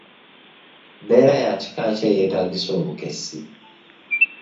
Mbeera ya kika ki eyetaagisa obukessi?